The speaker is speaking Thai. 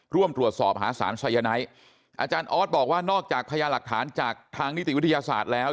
ร่วมตรวจสอบหาสารไซยาไนท์อาจารย์ออสบอกว่านอกจากพญาหลักฐานจากทางนิติวิทยาศาสตร์แล้ว